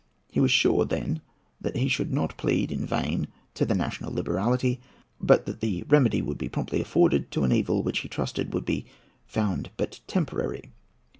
He was sure, then, that he should not plead in vain to the national liberality; but that the remedy would be promptly afforded to an evil which he trusted would be found but temporary.